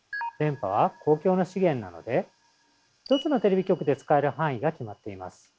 電波は公共の資源なので１つのテレビ局で使える範囲が決まっています。